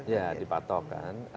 ya dipatok kan